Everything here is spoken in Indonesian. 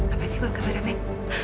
apa sih pak kameramen